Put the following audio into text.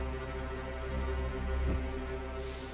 うん。